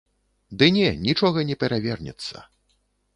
Ды не, нічога не перавернецца.